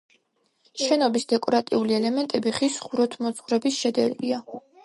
შენობის დეკორატიული ელემენტები ხის ხუროთმოძღვრების შედევრია.